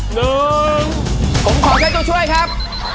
หนึ่งผมขอใช้ตัวช่วยครับ